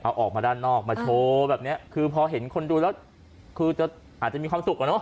เอาออกมาด้านนอกมาโชว์แบบเนี้ยคือพอเห็นคนดูแล้วคือจะอาจจะมีความสุขอะเนาะ